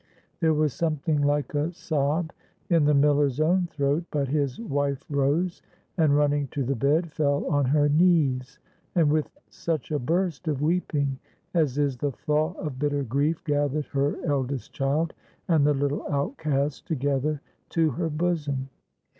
There was something like a sob in the miller's own throat, but his wife rose, and, running to the bed, fell on her knees, and with such a burst of weeping as is the thaw of bitter grief gathered her eldest child and the little outcast together to her bosom.